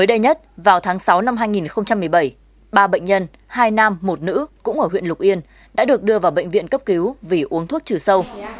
đây nhất vào tháng sáu năm hai nghìn một mươi bảy ba bệnh nhân hai nam một nữ cũng ở huyện lục yên đã được đưa vào bệnh viện cấp cứu vì uống thuốc trừ sâu